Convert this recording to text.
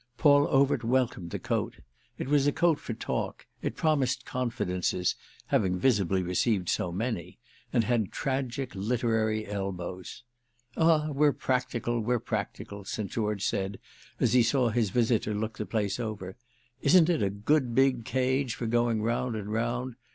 Paul Overt welcomed the coat; it was a coat for talk, it promised confidences—having visibly received so many—and had tragic literary elbows. "Ah we're practical—we're practical!" St. George said as he saw his visitor look the place over. "Isn't it a good big cage for going round and round?